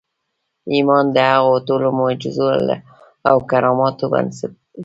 ايمان د هغو ټولو معجزو او کراماتو بنسټ دی.